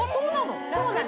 そうなの？